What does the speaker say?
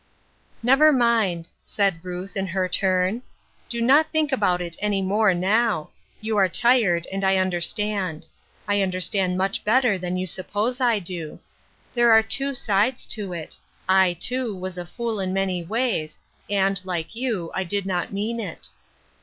" Never mind," said Ruth in her turn. " Do not think about it any more now ; you are tired, and I understand ; I understand much better than you suppose I do. There are two sides to it ; I, too, was a fool in many ways, and, like you, I did not mean it."